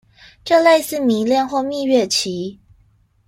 這類似迷戀或蜜月期